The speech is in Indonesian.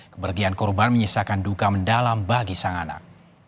kepergian korban menyisakan duka mendalam bagi sang anak